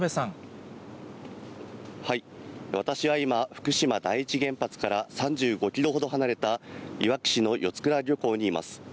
私は今、福島第一原発から３５キロほど離れた、いわき市の四倉漁港にいます。